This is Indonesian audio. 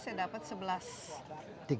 saya dapet sebelas